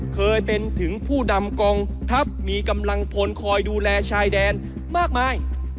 เคยเป็นถึงผู้นำกองทัพมีกำลังพลคอยดูแลชายแดนมากมาย